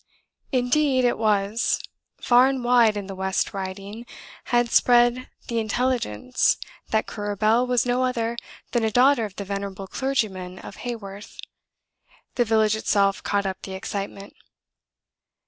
Indeed it was. Far and wide in the West Riding had spread the intelligence that Currer Bell was no other than a daughter of the venerable clergyman of Haworth; the village itself caught up the excitement.